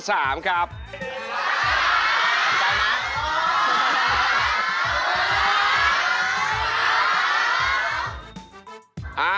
กำจัดมา